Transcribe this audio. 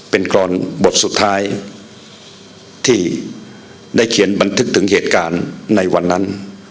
เป็นกรอนบทสุดท้ายที่ได้เขียนบันทึกถึงเหตุการณ์ในวันนั้น